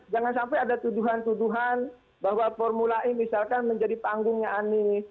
jangan sampai ada tuduhan tuduhan bahwa formula e misalkan menjadi panggungnya anies